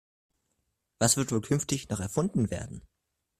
Was wird wohl künftig noch erfunden werden?